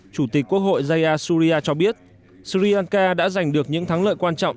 chủ tịch quốc hội zaya surya cho biết sri lanka đã giành được những thắng lợi quan trọng